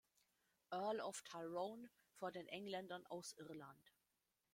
Earl of Tyrone vor den Engländern aus Irland.